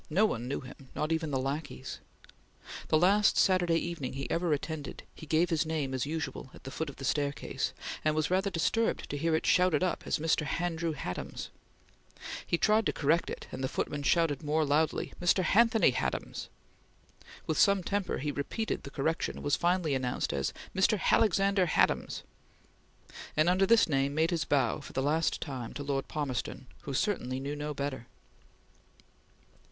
No one knew him not even the lackeys. The last Saturday evening he ever attended, he gave his name as usual at the foot of the staircase, and was rather disturbed to hear it shouted up as "Mr. Handrew Hadams!" He tried to correct it, and the footman shouted more loudly: "Mr. Hanthony Hadams!" With some temper he repeated the correction, and was finally announced as "Mr. Halexander Hadams," and under this name made his bow for the last time to Lord Palmerston who certainly knew no better.